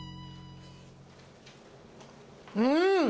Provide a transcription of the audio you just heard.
うん！